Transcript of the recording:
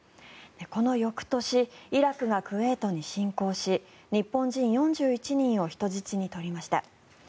この翌年イラクがクウェートに侵攻し日本人４１人を人質に取りました。